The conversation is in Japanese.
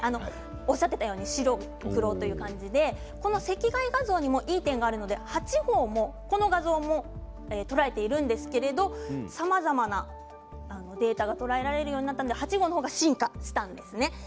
おっしゃっていたように白黒なんですけれども赤外画像にもいい点があるんですが８号もこの様子も捉えているんですがさまざまなデータが捉えられるようになって８号の方が進化したんですね。